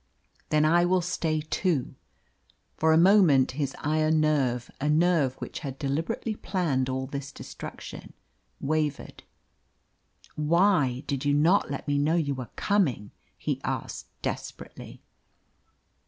"Then I will stay too." For a moment his iron nerve a nerve which had deliberately planned all this destruction wavered. "Why did you not let me know you were coming?" he asked desperately.